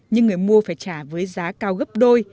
nhưng người mua phải trả với giá cao gấp đôi